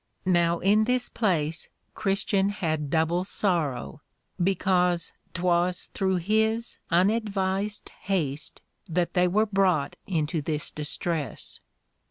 Now in this place Christian had double sorrow, because 'twas through his unadvised haste that they were brought into this distress.